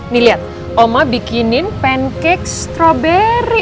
nih lihat oma bikinin pancake strawberry